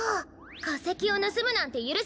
かせきをぬすむなんてゆるせない！